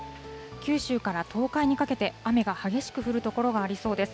九州から東海にかけて雨が激しく降る所がありそうです。